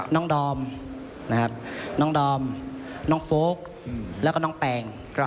น้องดอมน้องโฟกแล้วก็น้องแปง